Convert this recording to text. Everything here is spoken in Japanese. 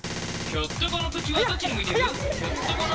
「ひょっとこの口はどっちに向いている？」